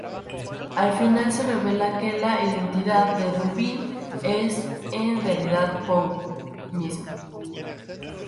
Al final, se revela que la identidad de Dupin es en realidad Poe mismo.